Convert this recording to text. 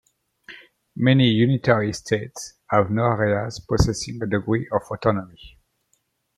Many unitary states have no areas possessing a degree of autonomy.